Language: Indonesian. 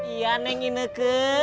iya neng ini nek